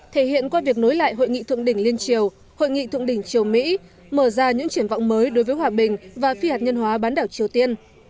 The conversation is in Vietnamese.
thể hiện qua việc nối lại hội nghị thượng đỉnh liên triều hội nghị thượng đỉnh triều mỹ mở ra những triển vọng mới đối với hòa bình và phi hạt nhân hóa bán đảo triều tiên